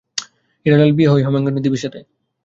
হীরালাল বিয়ে হয় হেমাঙ্গিনী দেবীর সাথে।